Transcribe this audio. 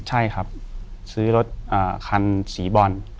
ใช่ครับซื้อรถคันสีบอล